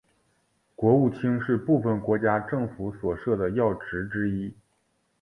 国务卿是部份国家政府所设的要职之一。